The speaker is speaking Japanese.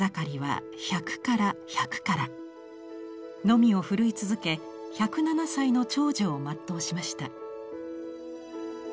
のみを振るい続け１０７歳の長寿を全うしました。